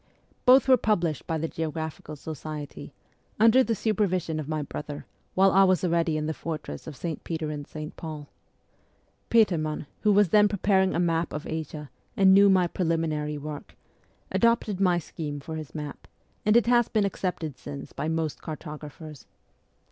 Both were published by the ST. PETERSBURG 7 Geographical Society, under the supervision of my brother, while I was already in the fortress of St. Peter and St. Paul. Petermann, who was then preparing a map of Asia, and knew my preliminary work, adopted my scheme for his map, and it has been accepted since by most cartographers.